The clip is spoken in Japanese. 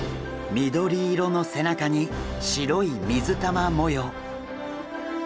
緑色の背中に白い水玉模様。